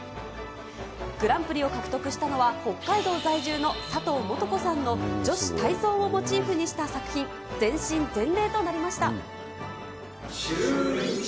グランプリを獲得したのは北海道在住のサトウモトコさんの女子体操をモチーフにした作品、全身全霊となりました。